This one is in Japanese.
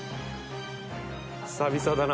久々だな。